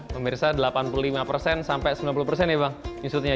memirsa delapan puluh lima sampai sembilan puluh ya bang